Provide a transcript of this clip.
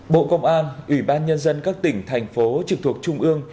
bộ công an ủy ban nhân dân các tỉnh thành phố trực thuộc trung ương